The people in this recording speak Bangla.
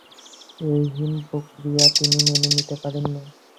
এ হীন প্রক্রিয়া তিনি মেনে নিতে পারেন নি।